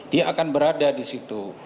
dia akan berada di situ